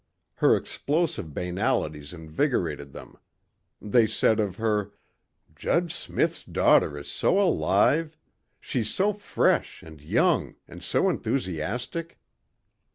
Her explosive banalities invigorated them. They said of her: "Judge Smith's daughter is so alive. She's so fresh and young and so enthusiastic."